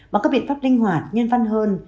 bằng các biện pháp linh hoạt nhân văn hơn